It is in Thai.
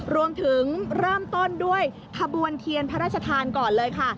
รวมถึงเริ่มต้นด้วยขบวนเทียนพระราชทานก่อนเลยค่ะ